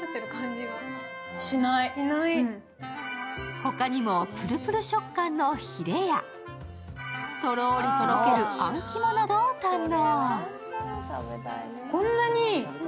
他にもプルプル食感のひれや、とろーりとろけるあん肝などを堪能。